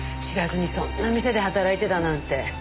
知らずにそんな店で働いてたなんて。